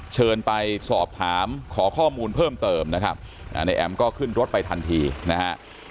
เชิญไปสอบถามขอข้อมูลเพิ่มเติมนะครับนายแอ๋มก็ขึ้นรถไปทันทีนะฮะ